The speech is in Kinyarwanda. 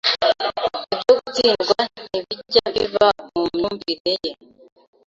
Ibyo gutsindwa ntibijya biba mu myumvire ye,